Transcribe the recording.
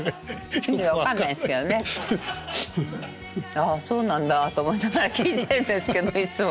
ああそうなんだと思いながら聞いてんですけどいつも。